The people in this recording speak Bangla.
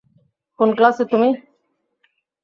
কোন ক্লাসে তুমি?